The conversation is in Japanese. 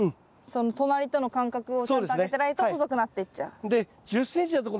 隣との間隔をちゃんと空けてないと細くなっていっちゃう。